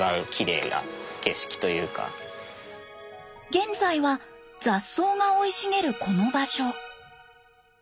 現在は雑草が生い茂るこの場所。